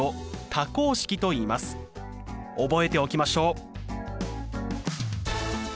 覚えておきましょう。